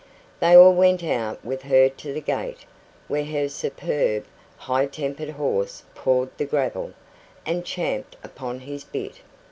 They all went out with her to the gate, where her superb, high tempered horse pawed the gravel, and champed upon his bit.